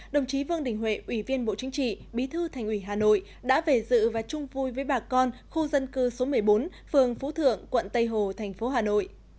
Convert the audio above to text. đồng chí vương đình huệ ủy viên bộ chính trị bí thư thành ủy hà nội đã về dự và chung vui với bà con khu dân cư số một mươi bốn phường phú thượng quận tây hồ thành phố hà nội